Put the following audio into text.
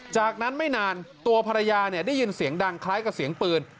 จากนั้นไม่นานตัวภรรยาได้ยินเสียงดังคล้ายกับเสียงปืน